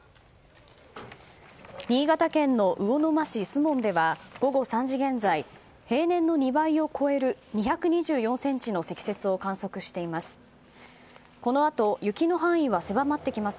新潟県魚沼市守門では平年の２倍を超える２２４ｃｍの積雪を観測しています。